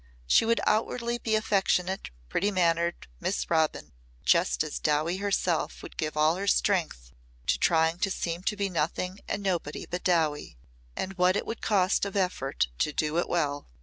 She would outwardly be affectionate, pretty mannered Miss Robin just as Dowie herself would give all her strength to trying to seem to be nothing and nobody but Dowie. And what it would cost of effort to do it well!